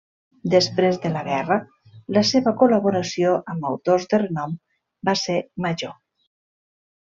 Després de la guerra, la seva col·laboració amb autors de renom va ser major.